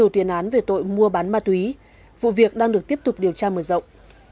các đối tượng trên đều đã có nhiều tiền án về tội mua bán ma túy vụ việc đang được tiếp tục điều tra mở rộng